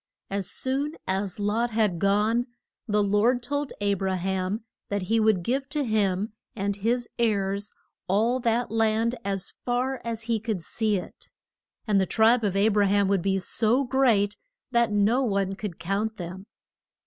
As soon as Lot had gone, the Lord told A bra ham that he would give to him and his heirs all that land as far as he could see it. And the tribe of A bra ham would be so great that no one could count them.